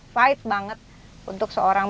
fight banget untuk seorang